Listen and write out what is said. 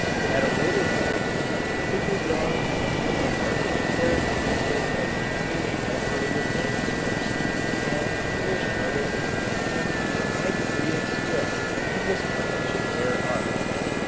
At a later period, figure drawing became a marked characteristic of English decorated manuscripts, and English artists attained to a high degree of skill in this branch of their art.